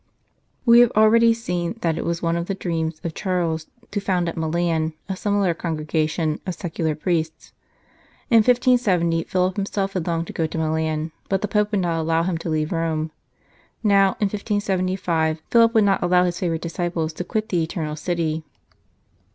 We have already seen that it was one of the dreams of Charles to found at Milan a similar Congregation of secular priests. In 1570 Philip himself had longed to go to Milan, but the Pope would not allow him to leave Rome; now, in 1575, Philip would not allow his favourite disciples to quit the Eternal City.